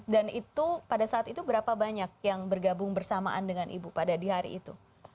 dan itu pada saat itu berapa banyak yang bergabung bersamaan dengan ibu pada di hari itu